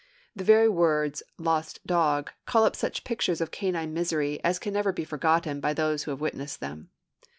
The very words 'lost dog' call up such pictures of canine misery as can never be forgotten by those who have witnessed them.